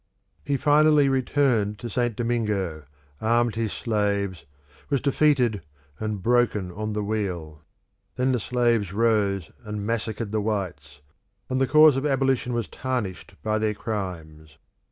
He finally returned to St. Domingo, armed his slaves, was defeated and broken on the wheel. Then the slaves rose and massacred the whites, and the cause of abolition was tarnished by their crimes.